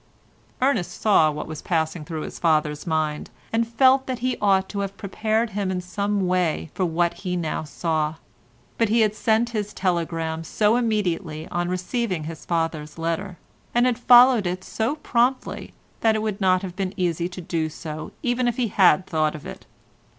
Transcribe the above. Ernest saw what was passing through his father's mind, and felt that he ought to have prepared him in some way for what he now saw; but he had sent his telegram so immediately on receiving his father's letter, and had followed it so promptly that it would not have been easy to do so even if he had thought of it.